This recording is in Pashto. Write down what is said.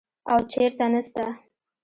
او چېرته نسته.